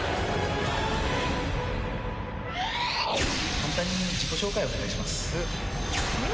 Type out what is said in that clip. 簡単に自己紹介をお願いします。